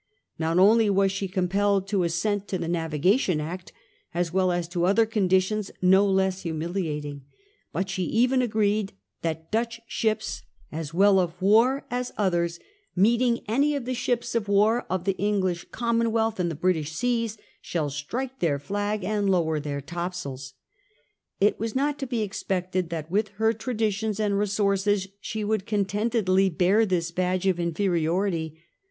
Not only was she compelled to assent to the Navigation Act, as well as to other conditions no less humiliating, but she even agreed that 'Dutch ships, as well of war as others, meeting any of the ships of war of the English Common wealth in the British seas shall strike their flag and lower their topsails.' It was not to be expected that with her traditions and resources she would contentedly bear this badge of inferiority.